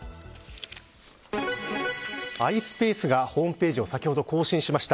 ｉｓｐａｃｅがホームページを先ほど更新しました。